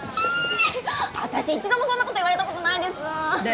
ヒーッ私一度もそんなこと言われたことないですで